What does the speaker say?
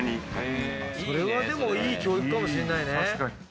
それはいい教育かもしれないね。